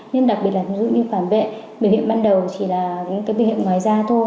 nhưng đặc biệt là ví dụ như phản vệ biểu hiện ban đầu chỉ là những cái biểu hiện ngoài da thôi